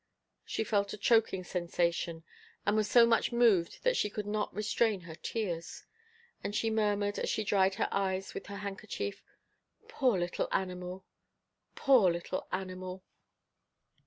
She felt a choking sensation, and was so much moved that she could not restrain her tears. And she murmured, as she dried her eyes with her handkerchief: "Poor little animal! poor little animal!"